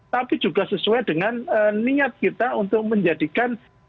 tapi juga sesuai dengan niat kita untuk menjadikan